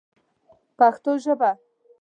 په پښتو ژبه.